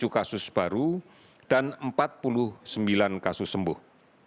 tujuh kasus baru dan empat puluh sembilan kasus sembuh